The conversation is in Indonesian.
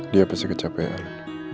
dia pasti kecapean